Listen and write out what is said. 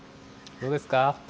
どうですか？